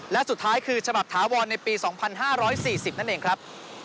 และสุดท้ายคือฉบับถาวรในปี๒๕๔๐นั่นเองครับ